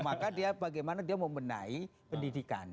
maka dia bagaimana dia membenahi pendidikan